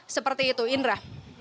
seperti itu indra